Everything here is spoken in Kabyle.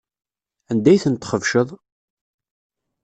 Anda ay tent-txebceḍ?